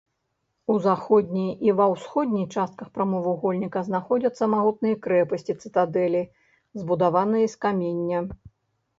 У заходняй і ва ўсходняй частках прамавугольніка знаходзіліся магутныя крэпасці-цытадэлі, збудаваныя з каменя.